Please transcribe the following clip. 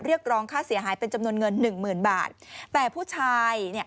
เรียกร้องค่าเสียหายเป็นจำนวนเงินหนึ่งหมื่นบาทแต่ผู้ชายเนี่ย